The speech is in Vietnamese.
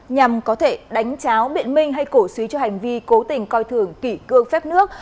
nhằm có thể đánh cháo biện minh hay cổ suý cho hành vi cố tình coi thường kỷ cương phép nước